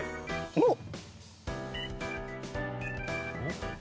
おっ。